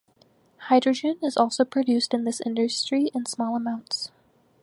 Hydrogen is also produced in this industry in small amounts.